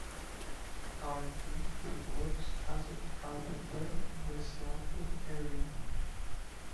Currently, he works as a carpenter in the Seattle area.